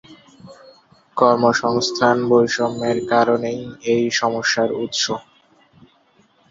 কর্মসংস্থান বৈষম্যের কারণেই এই সমস্যার উৎস।